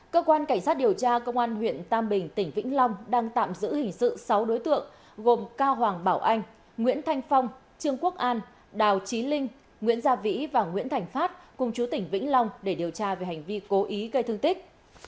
cơ quan cảnh sát điều tra công an huyện tam bình tỉnh vĩnh long đang tạm giữ hình sự sáu đối tượng gồm cao hoàng bảo anh nguyễn thanh phong trương quốc an đào trí linh nguyễn gia vĩ và nguyễn thành phát cùng chú tỉnh vĩnh long để điều tra về hành vi cố ý gây thương tích